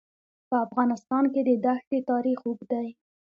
په افغانستان کې د دښتې تاریخ اوږد دی.